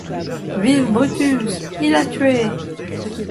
Vive Brutus! il a tué.